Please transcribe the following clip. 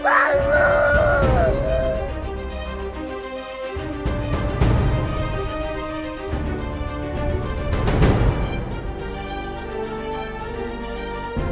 fahri harus tau nih